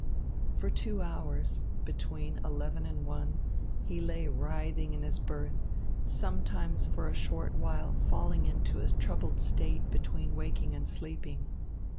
For two hours, between eleven and one, he lay writhing in his berth, sometimes for a short while falling into a troubled state between waking and sleeping.